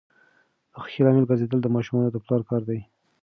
د خوښۍ لامل ګرځیدل د ماشومانو د پلار کار دی.